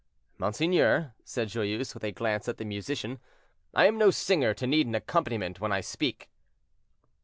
"Monseigneur," said Joyeuse, with a glance at the musician, "I am no singer to need an accompaniment when I speak."